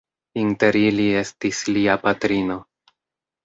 Inter ili estis Lia patrino.